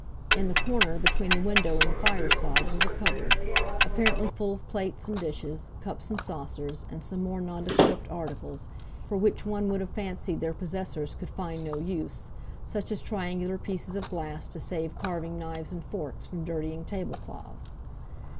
In the corner between the window and the fire side was a cupboard, apparently full of plates and dishes, cups and saucers, and some more nondescript articles, for which one would have fancied their possessors could find no use such as triangular pieces of glass to save carving knives and forks from dirtying table cloths.